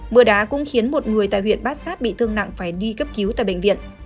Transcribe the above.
mưa đá cũng khiến một người tại huyện bát sát bị thương nặng phải đi cấp cứu tại bệnh viện